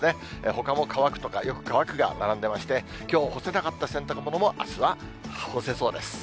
ほかも乾くとか、よく乾くが並んでまして、きょう干せなかった洗濯物も、あすは干せそうです。